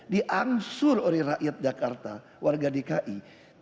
diangsur oleh rakyat jakarta warga dki